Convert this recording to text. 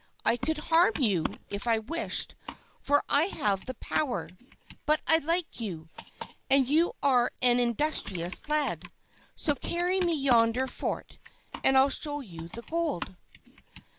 I could harm you, if I wished, for I have the power; but I like you, and you are an industrious lad. So carry me to yonder fort, and I'll show you the gold."